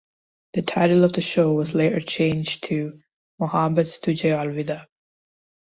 The title of the show was later changed to "Mohabbat Tujhe Alvida".